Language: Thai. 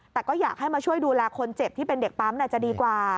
แต่ก็อยากให้มาช่วยดูแลคนเจ็บที่เป็นเด็กปั๊มจะดีกว่า